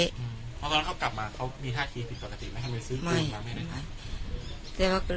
ตอนนั้นเขากลับมาเขามีท่าทีผิดปกติไหมทำไมซื้อกลุ่มกับแม่ได้